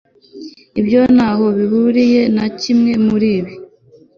ibyo ntaho bihuriye na kimwe muribi